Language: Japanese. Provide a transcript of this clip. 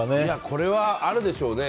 これはあるでしょうね。